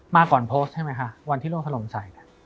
มาก่อนโพสต์ใช่ไหมคะวันที่โลกถล่มใส่เนี่ย